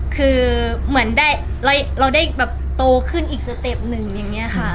คือเหมือนเราได้โตขึ้นอีกดูรันอย่างนี้ค่ะ